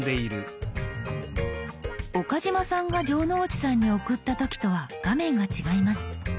岡嶋さんが城之内さんに送った時とは画面が違います。